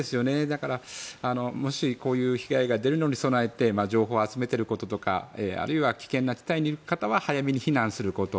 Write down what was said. だから、もしこういう被害が出るのに備えて情報を集めていることとかあるいは危険な地帯にいる方は早めに避難すること。